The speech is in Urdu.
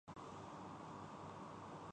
کی عہدیدار سدرا احمد نے وی او کو بتایا ہے